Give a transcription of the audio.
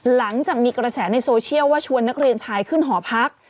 หลังจากมีกระแสในโซเชียลว่าชวนนักเรียนชายขึ้นหอพัก